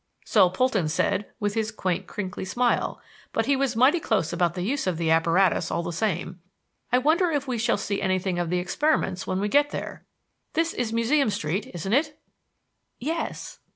"So Polton said, with his quaint, crinkly smile. But he was mighty close about the use of the apparatus all the same. I wonder if we shall see anything of the experiments, when we get there. This is Museum Street, isn't it?" "Yes."